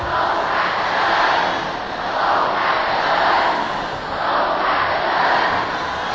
ทางจะใกล้หรือไกลไม่สำคัญ